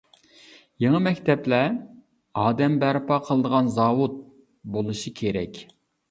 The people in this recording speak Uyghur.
يېڭى مەكتەپلەر «ئادەم بەرپا قىلىدىغان زاۋۇت» بولۇشى كېرەك.